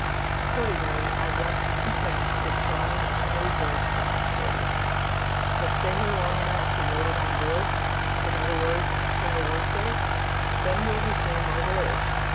Accordingly, I'll rest content with drawing on my reserve stock of sodium. We'll stay here long enough to load it on board, in other words, a single workday, then we'll resume our voyage.